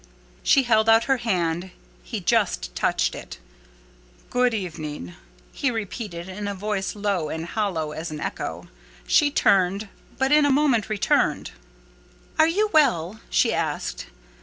She held out her hand. He just touched it. "Good evening!" he repeated, in a voice low and hollow as an echo. She turned, but in a moment returned. "Are you well?" she asked.